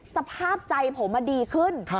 สภาพใจผมดีขึ้น